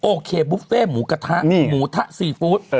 โอเคบุฟเฟ่หมูกระทะหมูทะซีฟู้ด